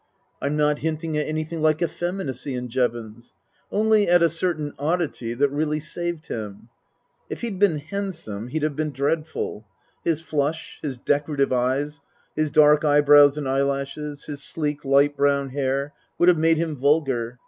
I'm not hinting at anything like effeminacy in Jevons, only at a certain oddity that really saved him. If he'd been handsome he'd have been dreadful. His flush, his decorative eyes, his dark eyebrows and eyelashes, his sleek, light brown hair, would have made him vulgar.